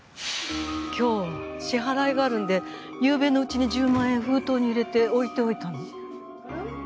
今日支払いがあるんでゆうべのうちに１０万円封筒に入れて置いておいたの。